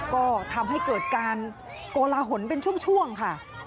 ก็ทำให้เกิดการโกลาหลเป็นช่วงค่ะ